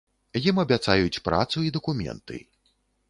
Ім абяцаюць працу і дакументы.